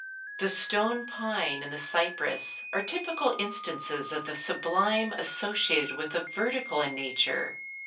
The stone pine and the cypress are typical instances of the sublime associated with the vertical in nature.